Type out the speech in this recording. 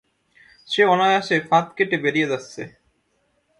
সে অনায়াসে ফাঁদ কেটে বেরিয়ে যাচ্ছে।